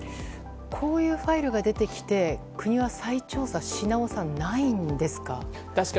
こういうファイルが出てきて国は再調査し直さないんですか。